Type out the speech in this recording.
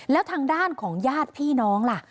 แล้วทางด้านของญาติพี่น้องล่ะ